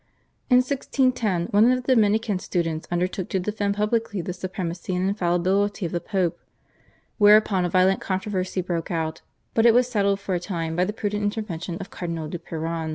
In 1610 one of the Dominican students undertook to defend publicly the supremacy and infallibility of the Pope, whereupon a violent controversy broke out, but it was settled for a time by the prudent intervention of Cardinal Du Perron.